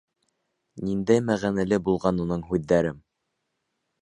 Ниндәй мәғәнәле булған уның һүҙҙәре!